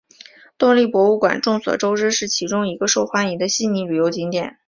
动力博物馆众所周知是其中一个受欢迎的悉尼旅游景点。